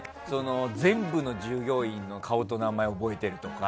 全部の従業員の顔と名前覚えてるとか。